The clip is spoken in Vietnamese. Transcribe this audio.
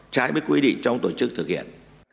trái với quy định trong tổ chức thực hiện